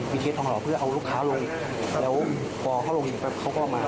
ปีเทศทองหล่อเพื่อเอาลูกค้าลงแล้วพอเขาลงไปเขาก็ออกมา